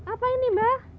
apa ini mbah